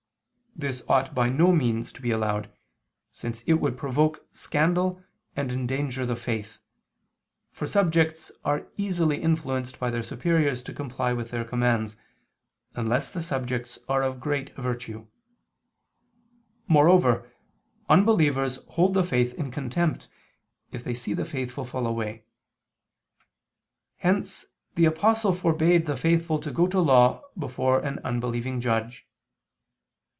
This ought by no means to be allowed, since it would provoke scandal and endanger the faith, for subjects are easily influenced by their superiors to comply with their commands, unless the subjects are of great virtue: moreover unbelievers hold the faith in contempt, if they see the faithful fall away. Hence the Apostle forbade the faithful to go to law before an unbelieving judge.